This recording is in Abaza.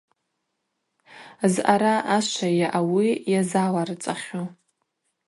Зъара ашвайа ауи йазаларцӏахьу!